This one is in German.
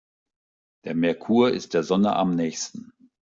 Der Merkur ist der Sonne am nähesten.